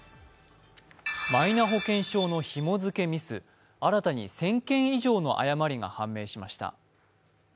マイナ保険証のひも付けミス新たに１０００件以上の誤りが判明しました。